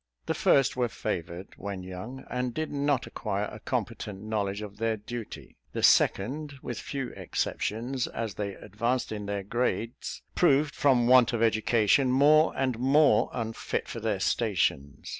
The first were favoured when young, and did not acquire a competent knowledge of their duty; the second, with few exceptions, as they advanced in their grades, proved, from want of education, more and more unfit for their stations.